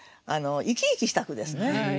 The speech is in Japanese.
生き生きした句ですね。